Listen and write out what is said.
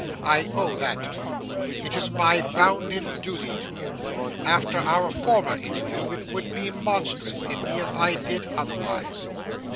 I owe that to you. It is my bounden duty to you. After our former interview, it would be monstrous in me if I did otherwise."